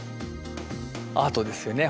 アートですよね。